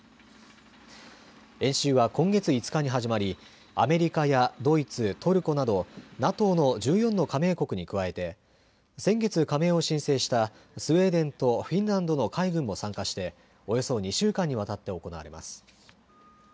演習は今月５日に始まりアメリカやドイツ、トルコなどＮＡＴＯの１４の加盟国に加えて先月、加盟を申請したスウェーデンとフィンランドの海軍も参加しておよそ２週間にわたって行われます。